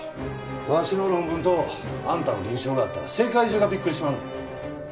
わしの論文とあんたの臨床があったら世界中がびっくりしはんで。